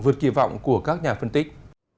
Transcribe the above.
vượt kỳ vọng của các nhà phân tích